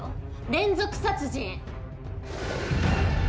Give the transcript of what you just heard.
連続殺人！